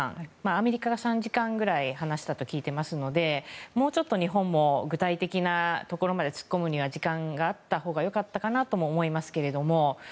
アメリカが３時間くらい話したと聞いていますのでもうちょっと日本も具体的なところまで突っ込むには時間があったほうが良かったかなとも思いますけど。